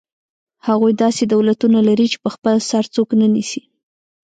هغوی داسې دولتونه لري چې په خپل سر څوک نه نیسي.